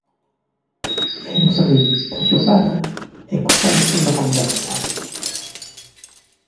Eles rin da xogada e cruzamos unha conversa.